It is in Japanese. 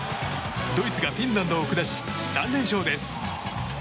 ドイツがフィンランドを下し３連勝です！